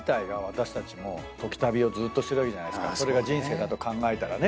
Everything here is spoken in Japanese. それが人生だと考えたらね。